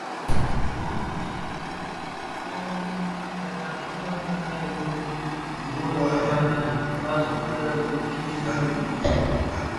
Gom inèn bë taatoh bë bënèn, bë nyokon (Bafia) mbas wu lè bekke dhi bëkpag,